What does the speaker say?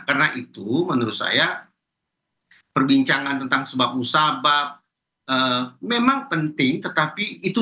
karena itu menurut saya perbincangan tentang sebab musabab memang penting tetapi itu